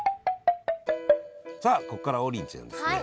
さあここからは王林ちゃんですね